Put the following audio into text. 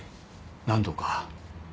何度か。